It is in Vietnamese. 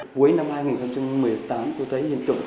cuối năm hai nghìn một mươi tám tôi thấy hiện tượng